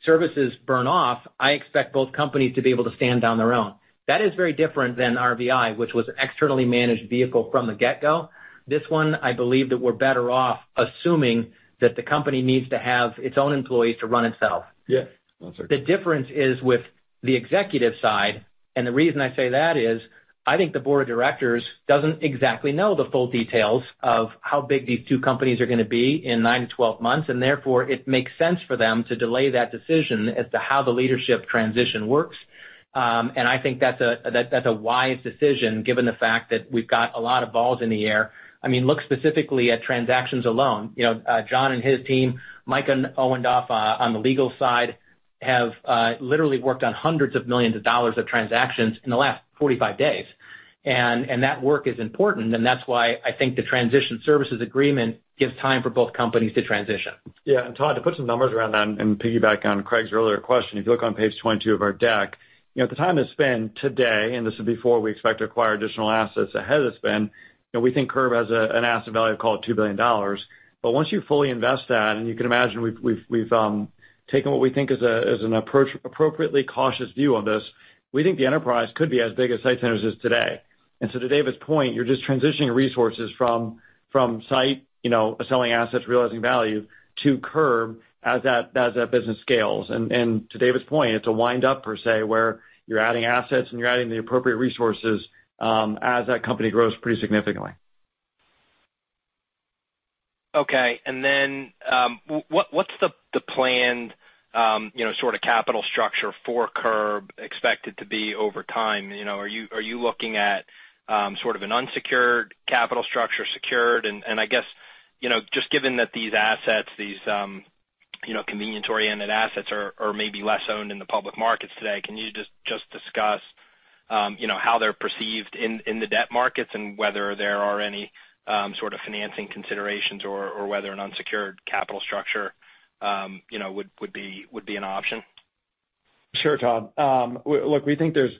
services burn off, I expect both companies to be able to stand on their own. That is very different than RVI, which was an externally managed vehicle from the get-go. This one, I believe that we're better off assuming that the company needs to have its own employees to run itself. Yes, that's it. The difference is with the executive side, and the reason I say that is, I think the board of directors doesn't exactly know the full details of how big these two companies are gonna be in 9-12 months, and therefore, it makes sense for them to delay that decision as to how the leadership transition works. And I think that's a wise decision, given the fact that we've got a lot of balls in the air. I mean, look specifically at transactions alone. You know, John and his team, Mike and Owen Duff, on the legal side, have literally worked on hundreds of millions of dollars of transactions in the last 45 days. And that work is important, and that's why I think the transition services agreement gives time for both companies to transition. Yeah, and Todd, to put some numbers around that and piggyback on Craig's earlier question, if you look on page 22 of our deck, you know, at the time of spin today, and this is before we expect to acquire additional assets ahead of spin, you know, we think Curb has an asset value of called $2 billion. But once you fully invest that, and you can imagine, we've taken what we think is an approach-appropriately cautious view on this, we think the enterprise could be as big as SITE Centers is today. And so to David's point, you're just transitioning resources from SITE, you know, selling assets, realizing value, to Curb as that business scales. To David's point, it's a wind up, per se, where you're adding assets and you're adding the appropriate resources as that company grows pretty significantly. Okay. And then, what, what's the planned, you know, sort of capital structure for Curb expected to be over time? You know, are you looking at, sort of an unsecured capital structure, secured? And I guess, you know, just given that these assets, these, you know, convenience-oriented assets are maybe less owned in the public markets today, can you just discuss, you know, how they're perceived in the debt markets and whether there are any sort of financing considerations or whether an unsecured capital structure, you know, would be an option? Sure, Todd. Look, we think there's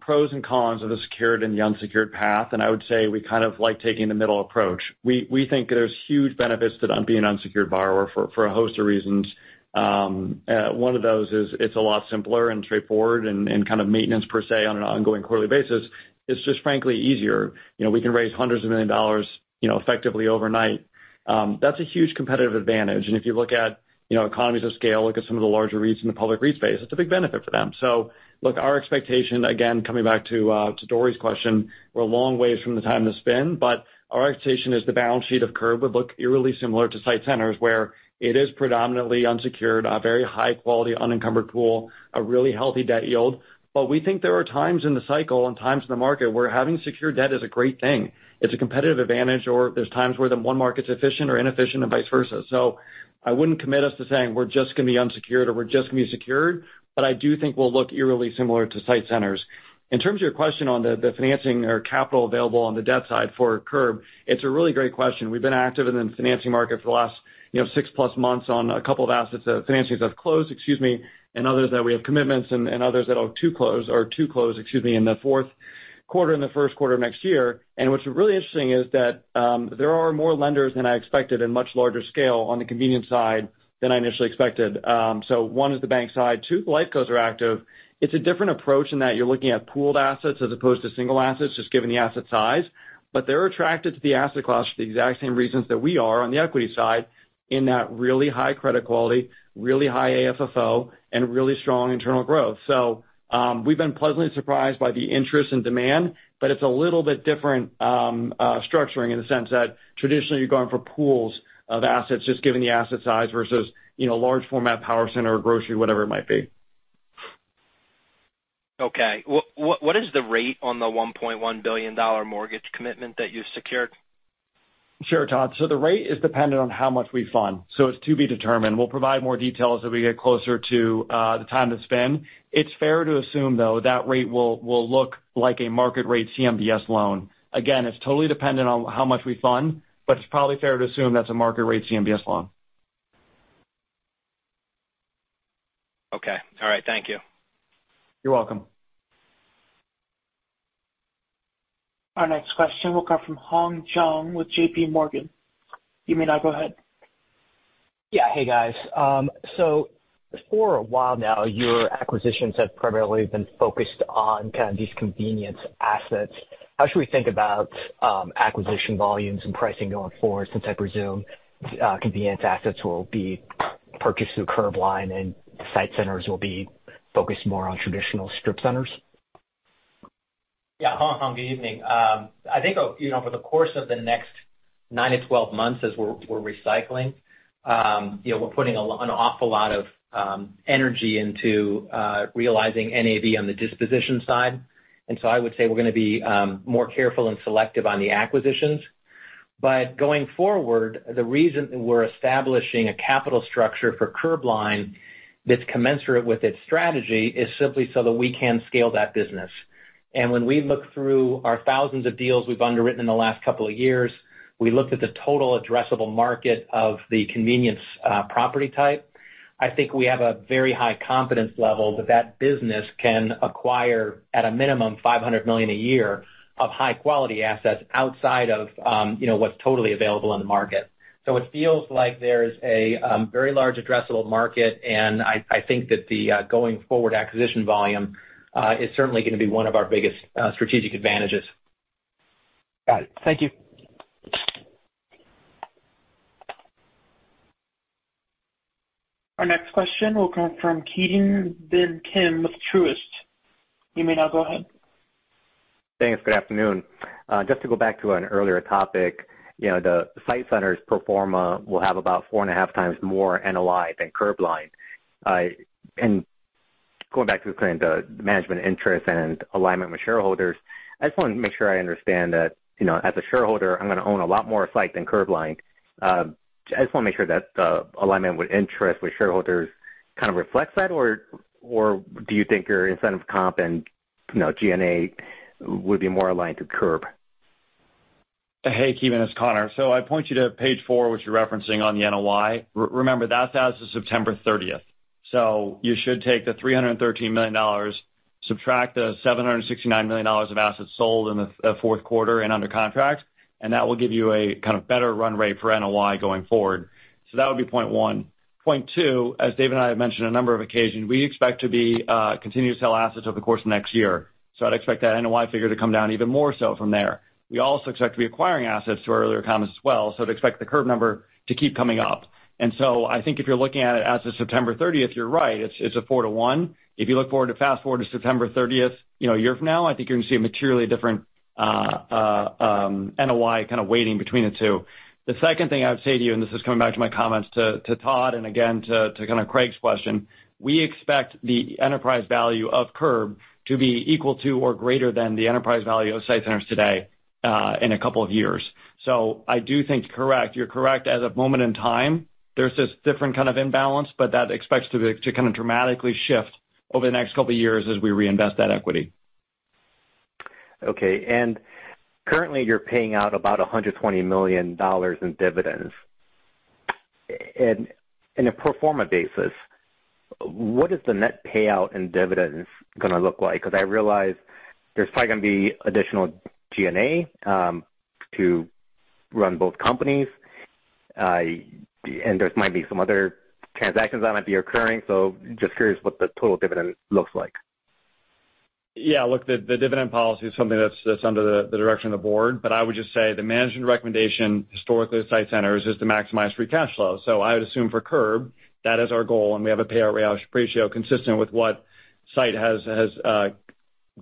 pros and cons of the secured and the unsecured path, and I would say we kind of like taking the middle approach. We think there's huge benefits to being an unsecured borrower for a host of reasons. One of those is it's a lot simpler and straightforward and kind of maintenance per se, on an ongoing quarterly basis. It's just frankly easier. You know, we can raise hundreds of millions of dollars, you know, effectively overnight. That's a huge competitive advantage. And if you look at, you know, economies of scale, look at some of the larger REITs in the public REIT space, it's a big benefit for them. So look, our expectation, again, coming back to Dori's question, we're a long way from the time to spend, but our expectation is the balance sheet of Curb would look eerily similar to SITE Centers, where it is predominantly unsecured, a very high-quality, unencumbered pool, a really healthy debt yield. But we think there are times in the cycle and times in the market where having secured debt is a great thing. It's a competitive advantage, or there's times where the one market's efficient or inefficient, and vice versa. So I wouldn't commit us to saying we're just gonna be unsecured or we're just gonna be secured, but I do think we'll look eerily similar to SITE Centers. In terms of your question on the financing or capital available on the debt side for Curb, it's a really great question. We've been active in the financing market for the last, you know, 6+ months on a couple of assets, financings that have closed, excuse me, and others that we have commitments and, and others that are to close, excuse me, in the Q4, in the Q1 of next year. And what's really interesting is that, there are more lenders than I expected and much larger scale on the convenience side than I initially expected. So one is the bank side, two, lifecos are active. It's a different approach in that you're looking at pooled assets as opposed to single assets, just given the asset size. But they're attracted to the asset class for the exact same reasons that we are on the equity side, in that really high credit quality, really high AFFO, and really strong internal growth. So, we've been pleasantly surprised by the interest and demand, but it's a little bit different structuring in the sense that traditionally, you're going for pools of assets, just given the asset size versus, you know, large format, power center, or grocery, whatever it might be. Okay. What is the rate on the $1.1 billion mortgage commitment that you secured? Sure, Todd. So the rate is dependent on how much we fund, so it's to be determined. We'll provide more details as we get closer to the time to spin. It's fair to assume, though, that rate will look like a market rate CMBS loan. Again, it's totally dependent on how much we fund, but it's probably fair to assume that's a market rate CMBS loan. Okay. All right. Thank you. You're welcome. Our next question will come from Hong Zhang with JPMorgan. You may now go ahead. Yeah. Hey, guys. So for a while now, your acquisitions have primarily been focused on kind of these convenience assets. How should we think about acquisition volumes and pricing going forward, since I presume convenience assets will be purchased through the Curbline and SITE Centers will be focused more on traditional strip centers? Yeah. Hong, Hong, good evening. I think, you know, over the course of the next 9-12 months as we're recycling, you know, we're putting an awful lot of energy into realizing NAV on the disposition side. And so I would say we're gonna be more careful and selective on the acquisitions. But going forward, the reason that we're establishing a capital structure for Curbline that's commensurate with its strategy is simply so that we can scale that business. And when we look through our thousands of deals we've underwritten in the last couple of years, we look at the total addressable market of the convenience property type. I think we have a very high confidence level that that business can acquire, at a minimum, $500 million a year of high-quality assets outside of, you know, what's totally available on the market. So it feels like there's a very large addressable market, and I think that the going forward acquisition volume is certainly gonna be one of our biggest strategic advantages. Got it. Thank you. Our next question will come from Ki Bin Kim with Truist. You may now go ahead. Thanks. Good afternoon. Just to go back to an earlier topic, you know, the SITE Centers pro forma will have about 4.5x more NOI than Curbline. And going back to the kind of, the management interest and alignment with shareholders, I just want to make sure I understand that, you know, as a shareholder, I'm gonna own a lot more equity than Curbline. I just want to make sure that the alignment with interest with shareholders kind of reflects that, or, or do you think your incentive comp and, you know, G&A would be more aligned to Curb? Hey, Ki Bin, it's Conor. So I point you to page 4, which you're referencing on the NOI. Remember, that's as of September 30. So you should take the $313 million, subtract the $769 million of assets sold in the Q4 and under contract, and that will give you a kind of better run rate for NOI going forward. So that would be point one. Point two, as David and I have mentioned a number of occasions, we expect to be continue to sell assets over the course of next year. So I'd expect that NOI figure to come down even more so from there. We also expect to be acquiring assets to our earlier comments as well, so to expect the Curb number to keep coming up. And so I think if you're looking at it as of September 30th, you're right, it's, it's a 4-to-1. If you look forward to fast forward to September thirtieth, you know, a year from now, I think you're gonna see a materially different NOI kind of weighting between the two. The second thing I would say to you, and this is coming back to my comments to, to Todd, and again, to, to kind of Craig's question, we expect the enterprise value of Curb to be equal to or greater than the enterprise value of SITE Centers today in a couple of years. So I do think correct, you're correct. As a moment in time, there's this different kind of imbalance, but that expects to be to kind of dramatically shift over the next couple of years as we reinvest that equity. Okay. Currently, you're paying out about $120 million in dividends. In a pro forma basis, what is the net payout in dividends gonna look like? Because I realize there's probably gonna be additional G&A to run both companies, and there might be some other transactions that might be occurring. So just curious what the total dividend looks like. Yeah, look, the dividend policy is something that's under the direction of the board, but I would just say the management recommendation, historically, at SITE Centers, is to maximize free cash flow. So I would assume for Curb, that is our goal, and we have a payout ratio consistent with what SITE has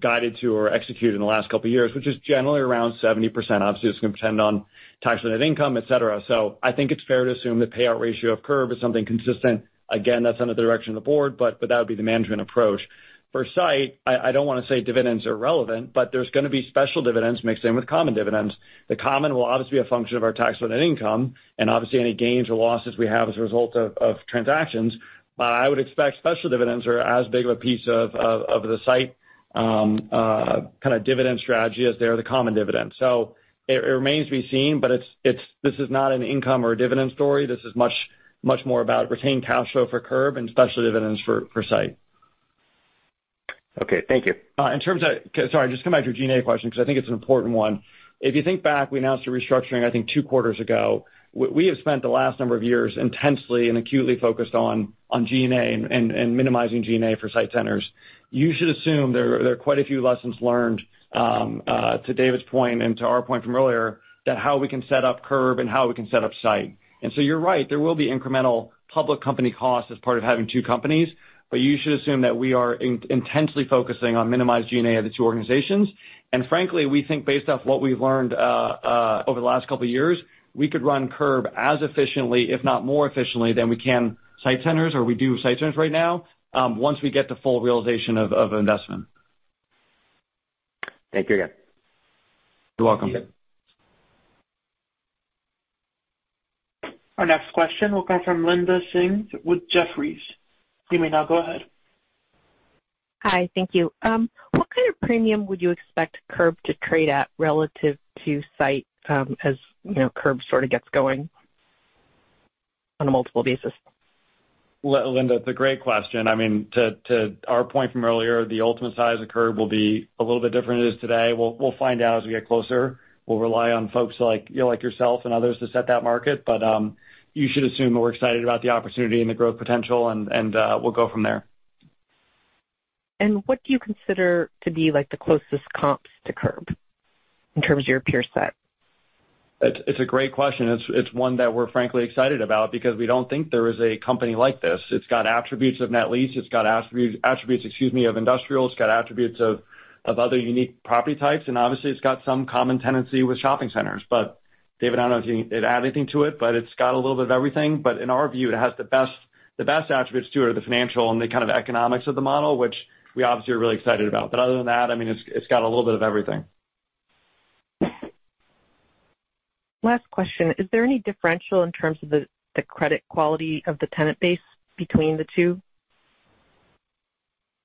guided to or executed in the last couple of years, which is generally around 70%. Obviously, it's going to depend on tax net income, et cetera. So I think it's fair to assume the payout ratio of Curb is something consistent. Again, that's under the direction of the board, but that would be the management approach. For SITE, I don't want to say dividends are irrelevant, but there's gonna be special dividends mixed in with common dividends. The common will obviously be a function of our tax net income and obviously any gains or losses we have as a result of transactions. But I would expect special dividends are as big of a piece of the SITE kind of dividend strategy as they are the common dividend. So it remains to be seen, but it's--this is not an income or a dividend story. This is much, much more about retained cash flow for Curb and special dividends for SITE. Okay, thank you. In terms of, sorry, just come back to your G&A question, because I think it's an important one. If you think back, we announced a restructuring, I think, two quarters ago. We have spent the last number of years intensely and acutely focused on G&A and minimizing G&A for SITE Centers. You should assume there are quite a few lessons learned, to David's point and to our point from earlier, that how we can set up Curb and how we can set up SITE. And so you're right, there will be incremental public company costs as part of having two companies, but you should assume that we are intensely focusing on minimized G&A of the two organizations. Frankly, we think based off what we've learned over the last couple of years, we could run Curb as efficiently, if not more efficiently, than we can SITE Centers or we do SITE Centers right now, once we get the full realization of investment. Thank you again. You're welcome. Our next question will come from Linda Tsai with Jefferies. You may now go ahead. Hi, thank you. What kind of premium would you expect Curb to trade at relative to SITE, as you know, Curb sort of gets going on a multiple basis? Well, Linda, it's a great question. I mean, to our point from earlier, the ultimate size of Curb will be a little bit different than it is today. We'll find out as we get closer. We'll rely on folks like yourself and others to set that market. But you should assume that we're excited about the opportunity and the growth potential, and we'll go from there. What do you consider to be, like, the closest comps to Curb in terms of your peer set? It's a great question. It's one that we're frankly excited about because we don't think there is a company like this. It's got attributes of net lease, it's got attributes, excuse me, of industrial, it's got attributes of other unique property types, and obviously it's got some common tenancy with shopping centers. But David, I don't know if you need to add anything to it, but it's got a little bit of everything. But in our view, it has the best-... the best attributes to it are the financial and the kind of economics of the model, which we obviously are really excited about. But other than that, I mean, it's got a little bit of everything. Last question: Is there any differential in terms of the, the credit quality of the tenant base between the two?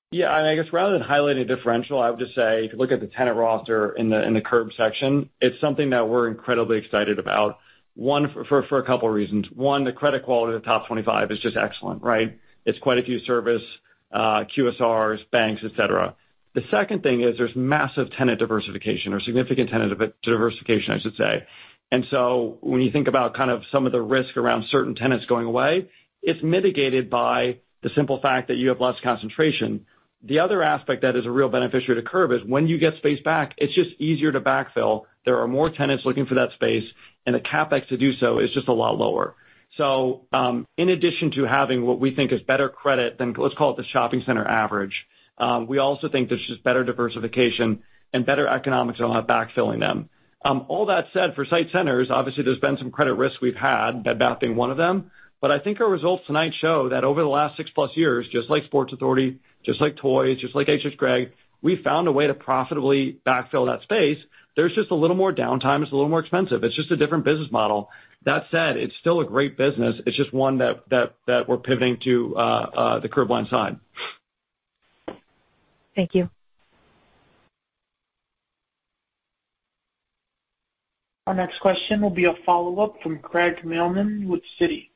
Yeah, and I guess rather than highlighting a differential, I would just say, if you look at the tenant roster in the Curb section, it's something that we're incredibly excited about. One, for a couple reasons. One, the credit quality of the top 25 is just excellent, right? It's quite a few service, QSRs, banks, et cetera. The second thing is there's massive tenant diversification or significant tenant diversification, I should say. And so when you think about kind of some of the risk around certain tenants going away, it's mitigated by the simple fact that you have less concentration. The other aspect that is a real beneficiary to Curb is when you get space back, it's just easier to backfill. There are more tenants looking for that space, and the CapEx to do so is just a lot lower. So, in addition to having what we think is better credit than, let's call it the shopping center average, we also think there's just better diversification and better economics on backfilling them. All that said, for SITE Centers, obviously, there's been some credit risk we've had, Bed Bath being one of them. But I think our results tonight show that over the last six-plus years, just like Sports Authority, just like Toys, just like hhgregg, we found a way to profitably backfill that space. There's just a little more downtime. It's a little more expensive. It's just a different business model. That said, it's still a great business. It's just one that we're pivoting to, the Curbline side. Thank you. Our next question will be a follow-up from Craig Mailman with Citi.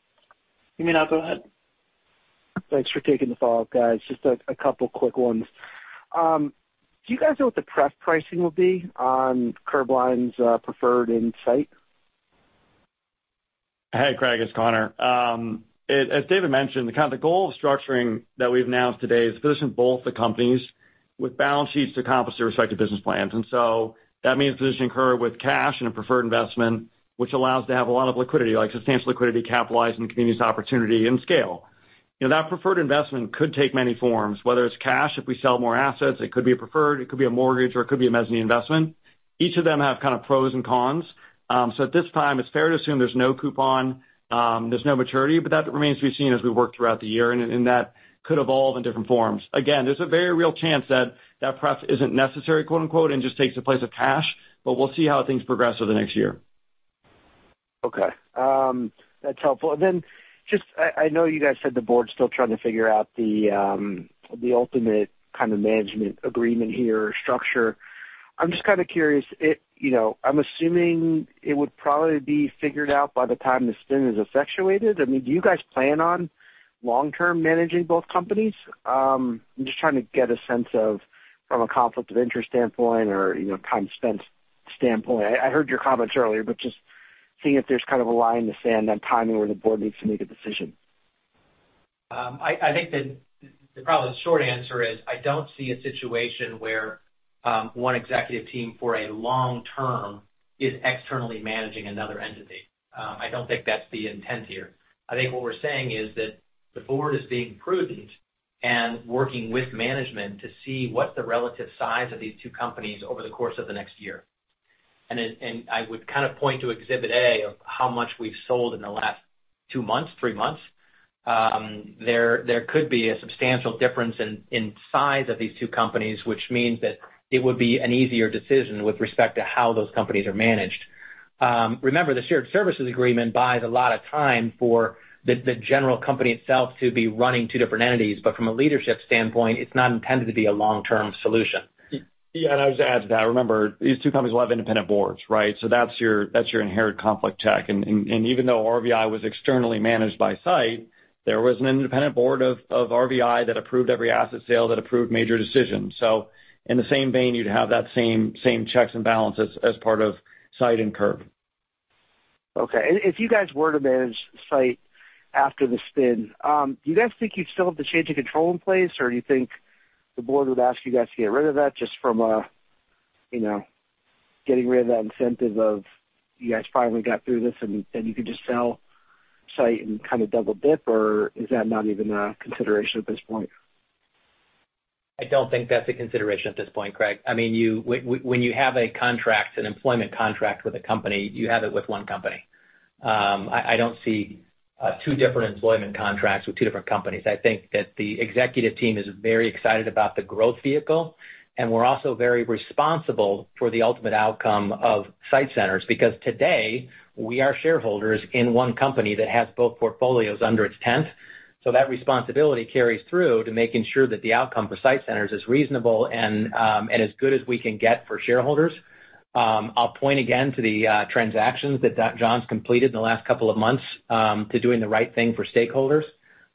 You may now go ahead. Thanks for taking the follow-up, guys. Just a couple quick ones. Do you guys know what the pref pricing will be on Curbline's preferred in SITE? Hey, Craig, it's Conor. As David mentioned, the kind of the goal of structuring that we've announced today is position both the companies with balance sheets to accomplish their respective business plans. And so that means positioning Curb with cash and a preferred investment, which allows to have a lot of liquidity, like substantial liquidity, capitalized and convenience, opportunity and scale. You know, that preferred investment could take many forms, whether it's cash, if we sell more assets, it could be a preferred, it could be a mortgage, or it could be a mezzanine investment. Each of them have kind of pros and cons. So at this time, it's fair to assume there's no coupon, there's no maturity, but that remains to be seen as we work throughout the year, and that could evolve in different forms. Again, there's a very real chance that that pref isn't necessary, quote, unquote, "and just takes the place of cash," but we'll see how things progress over the next year. Okay, that's helpful. And then just, I know you guys said the board's still trying to figure out the ultimate kind of management agreement here or structure. I'm just kind of curious. It--You know, I'm assuming it would probably be figured out by the time the spin is effectuated. I mean, do you guys plan on long-term managing both companies? I'm just trying to get a sense of, from a conflict of interest standpoint or, you know, time spent standpoint. I heard your comments earlier, but just seeing if there's kind of a line to stand on timing, where the board needs to make a decision. I think that probably the short answer is, I don't see a situation where one executive team for a long term is externally managing another entity. I don't think that's the intent here. I think what we're saying is that the board is being prudent and working with management to see what's the relative size of these two companies over the course of the next year. And I would kind of point to Exhibit A of how much we've sold in the last two months, three months. There could be a substantial difference in size of these two companies, which means that it would be an easier decision with respect to how those companies are managed. Remember, the shared services agreement buys a lot of time for the general company itself to be running two different entities, but from a leadership standpoint, it's not intended to be a long-term solution. Yeah, and I would just add to that. Remember, these two companies will have independent boards, right? So that's your inherent conflict check. And even though RVI was externally managed by SITE, there was an independent board of RVI that approved every asset sale, that approved major decisions. So in the same vein, you'd have that same checks and balances as part of SITE and Curb. Okay. And if you guys were to manage SITE after the spin, do you guys think you'd still have the change of control in place, or do you think the board would ask you guys to get rid of that just from a, you know, getting rid of that incentive of you guys finally got through this and, and you could just sell SITE and kind of double dip, or is that not even a consideration at this point? I don't think that's a consideration at this point, Craig. I mean, you – when you have a contract, an employment contract with a company, you have it with one company. I don't see two different employment contracts with two different companies. I think that the executive team is very excited about the growth vehicle, and we're also very responsible for the ultimate outcome of SITE Centers, because today, we are shareholders in one company that has both portfolios under its tent. So that responsibility carries through to making sure that the outcome for SITE Centers is reasonable and as good as we can get for shareholders. I'll point again to the transactions that John's completed in the last couple of months to doing the right thing for stakeholders.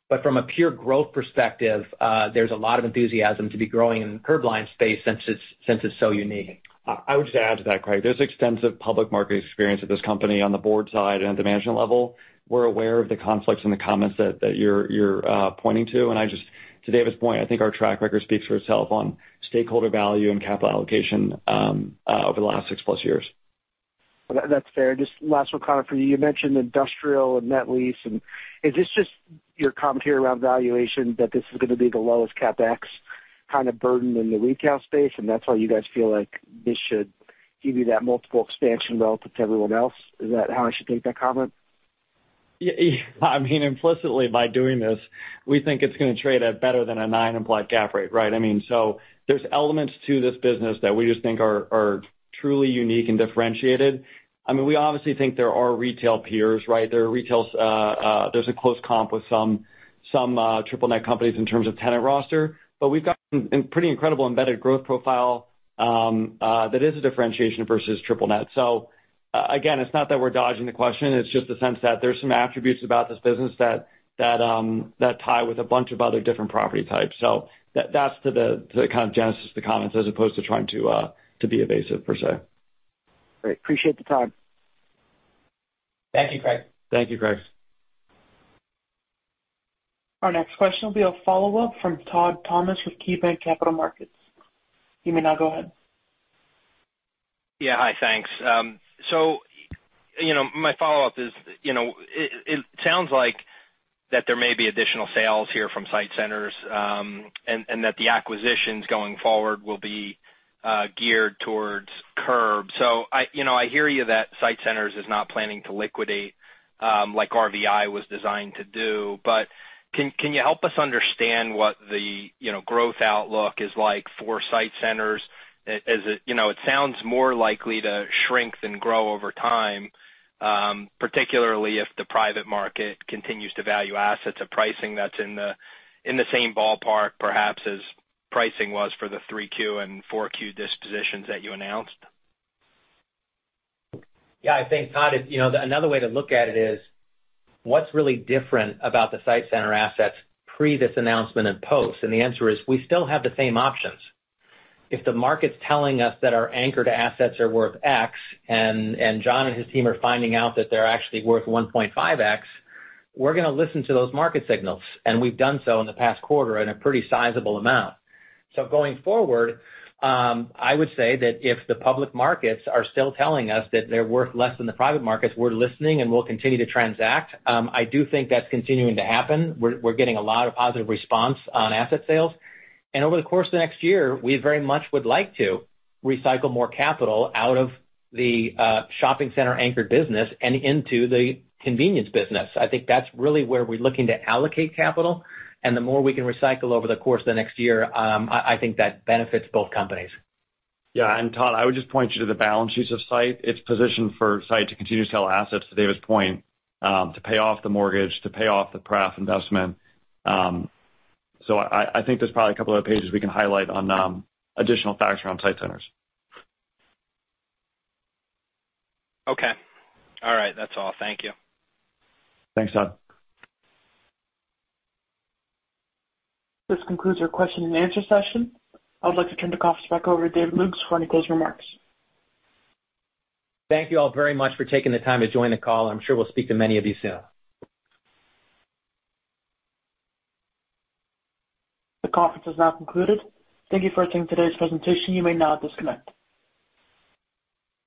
But from a pure growth perspective, there's a lot of enthusiasm to be growing in the Curbline space since it's, since it's so unique. I would just add to that, Craig. There's extensive public market experience at this company, on the board side and at the management level. We're aware of the conflicts and the comments that you're pointing to, and I just, to David's point, I think our track record speaks for itself on stakeholder value and capital allocation, over the last 6+ years. That, that's fair. Just last one, Conor, for you. You mentioned industrial and net lease, and is this just your commentary around valuation, that this is gonna be the lowest CapEx, kind of burdened in the retail space, and that's why you guys feel like this should give you that multiple expansion relative to everyone else? Is that how I should take that comment? Yeah, I mean, implicitly, by doing this, we think it's gonna trade at better than a 9% implied cap rate, right? I mean, so there's elements to this business that we just think are, are truly unique and differentiated. I mean, we obviously think there are retail peers, right? There are retails, there's a close comp with some, some, triple net companies in terms of tenant roster. But we've got a pretty incredible embedded growth profile, that is a differentiation versus triple net. So, again, it's not that we're dodging the question, it's just the sense that there's some attributes about this business that, that, that tie with a bunch of other different property types. So that, that's to the, the kind of genesis, the comments, as opposed to trying to, to be evasive, per se. Great. Appreciate the time. Thank you, Craig. Thank you, Craig. Our next question will be a follow-up from Todd Thomas with KeyBanc Capital Markets. You may now go ahead. Yeah. Hi, thanks. So, you know, my follow-up is, you know, it sounds like that there may be additional sales here from SITE Centers, and that the acquisitions going forward will be geared towards Curb. So I, you know, I hear you that SITE Centers is not planning to liquidate, like RVI was designed to do. But can you help us understand what the, you know, growth outlook is like for SITE Centers? As it, you know, it sounds more likely to shrink than grow over time, particularly if the private market continues to value assets at pricing that's in the same ballpark, perhaps, as pricing was for the Q3 and Q4 dispositions that you announced. Yeah, I think, Todd, you know, another way to look at it is, what's really different about the SITE Centers assets pre this announcement and post? And the answer is, we still have the same options. If the market's telling us that our anchored assets are worth X, and John and his team are finding out that they're actually worth 1.5X, we're gonna listen to those market signals, and we've done so in the past quarter in a pretty sizable amount. So going forward, I would say that if the public markets are still telling us that they're worth less than the private markets, we're listening, and we'll continue to transact. I do think that's continuing to happen. We're getting a lot of positive response on asset sales. Over the course of the next year, we very much would like to recycle more capital out of the shopping center anchored business and into the convenience business. I think that's really where we're looking to allocate capital, and the more we can recycle over the course of the next year, I think that benefits both companies. Yeah, and Todd, I would just point you to the balance sheets of SITE. It's positioned for SITE to continue to sell assets, to David's point, to pay off the mortgage, to pay off the pref investment. So I, I think there's probably a couple other pages we can highlight on, additional facts around SITE Centers. Okay. All right. That's all. Thank you. Thanks, Todd. This concludes our question and answer session. I would like to turn the conference back over to David Lukes for any closing remarks. Thank you all very much for taking the time to join the call. I'm sure we'll speak to many of you soon. The conference is now concluded. Thank you for attending today's presentation. You may now disconnect.